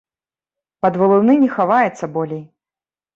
Пад валуны не хаваецца болей.